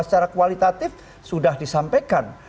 secara kualitatif sudah disampaikan